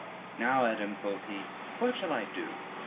] "Now, Adam," quoth he, "what shall I do?